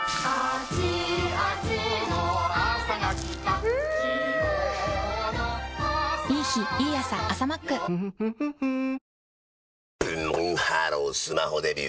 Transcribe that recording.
ブンブンハロースマホデビュー！